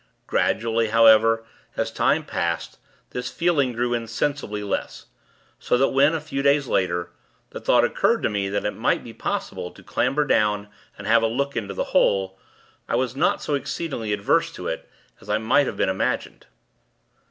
Gradually, however, as time passed, this feeling grew insensibly less; so that when, a few days later, the thought occurred to me that it might be possible to clamber down and have a look into the hole, I was not so exceedingly averse to it, as might have been imagined.